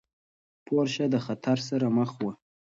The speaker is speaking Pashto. پورشه د خطر سره مخ وه.